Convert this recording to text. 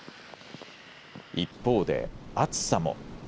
一方で暑さも。